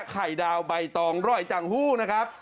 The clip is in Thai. ไข่ดาวใบตองอร่อยจังหู้นะครับ